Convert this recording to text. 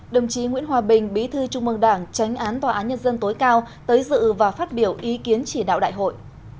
đồng chí nguyễn hòa bình bí thư trung mương đảng tránh án tòa án nhân dân tối cao tới dự và phát biểu ý kiến chỉ đạo đại hội